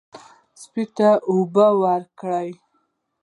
سپي ته اوبه ورکړئ.